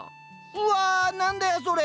うわ何だよそれ。